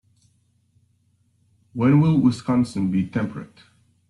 When will Wisconsin be temperate?